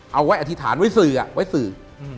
เอาไว้อธิษฐานเอาไว้สื่อ